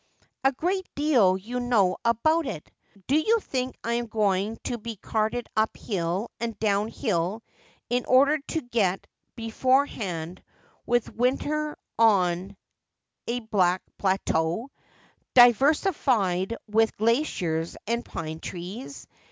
' A great deal you know about it ! Do you think I am going to be carted up hill and down hill in order to get beforehand with winter on a bleak plateau, diversified with glaciers and pine trees